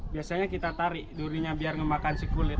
biasanya kita tarik durinya biar memakan kulit